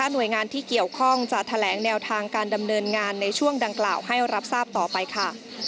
หน่วยงานที่เกี่ยวข้องจะแถลงแนวทางการดำเนินงานในช่วงดังกล่าวให้รับทราบต่อไปค่ะ